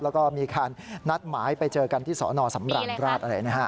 แล้วก็มีการนัดหมายไปเจอกันที่สนสำราญราชอะไรนะฮะ